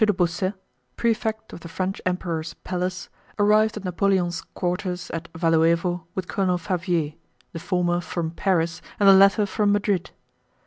de Beausset, prefect of the French Emperor's palace, arrived at Napoleon's quarters at Valúevo with Colonel Fabvier, the former from Paris and the latter from Madrid.